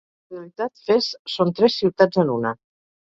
En realitat, Fes són tres ciutats en una.